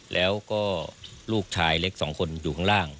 แล้วก็ลูกชายเล็กสองคนอยู่ข้างล่าง